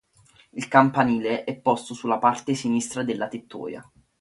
Il campanile è posto sulla parte sinistra della tettoia.